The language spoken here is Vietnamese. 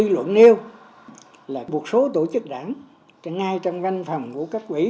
cái luận nêu là một số tổ chức đảng ngay trong văn phòng của các ủy